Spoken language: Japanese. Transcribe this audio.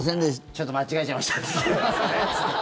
ちょっと間違えちゃいましたって。